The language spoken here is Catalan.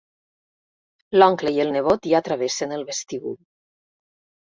L'oncle i el nebot ja travessen el vestíbul.